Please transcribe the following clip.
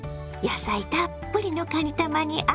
野菜たっぷりのかにたまに